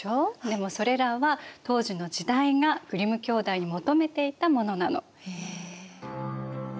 でもそれらは当時の時代がグリム兄弟に求めていたものなの。